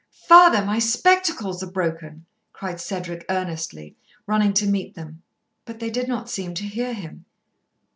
"Father, my spectacles are broken," cried Cedric earnestly, running to meet them, but they did not seem to hear him.